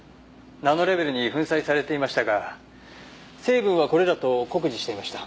ナノレベルに粉砕されていましたが成分はこれらと酷似していました。